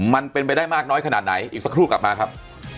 มันเป็นไปได้มากน้อยขนาดไหนอีกสักครู่กลับมาครับ